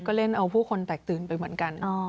ก็เล่นเอาผู้คนแตกตื่นไปเหมือนกัน